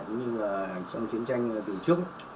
cũng như trong chiến tranh từ trước